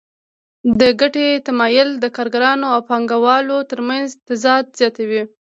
د ګټې تمایل د کارګرانو او پانګوالو ترمنځ تضاد زیاتوي